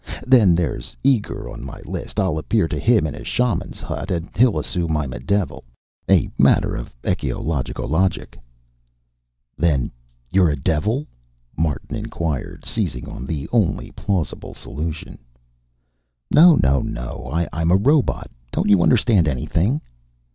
Then there's a Uighur on my list I'll appear to him in a shaman's hut and he'll assume I'm a devil. A matter of ecologicologic." "Then you're a devil?" Martin inquired, seizing on the only plausible solution. "No, no, no. I'm a robot. Don't you understand anything?"